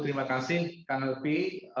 terima kasih kang elfi